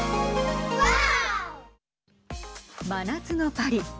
真夏のパリ。